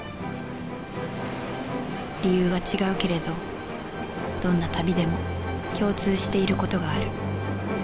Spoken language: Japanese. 理由は違うけれどどんな旅でも共通していることがある。